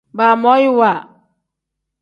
Baamoyiwa.